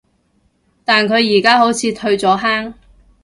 但佢而家好似退咗坑